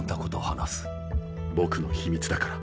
僕の秘密だから。